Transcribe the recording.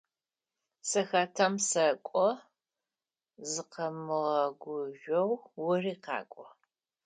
Сэ хатэм сэкӏо, зыкъэмыгъэгужъоу ори къакӏо.